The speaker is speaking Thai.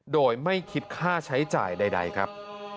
โดยไม่คิดค่าใช้จ่ายใดครับ